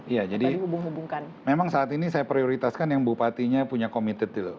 iya jadi memang saat ini saya prioritaskan yang bupatinya punya komited dulu